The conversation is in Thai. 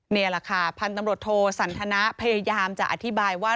นี่แหละค่ะพันธุ์ตำรวจโทสันทนะพยายามจะอธิบายว่า